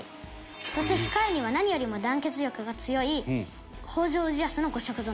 そして控えには何よりも団結力が強い北条氏康の五色備。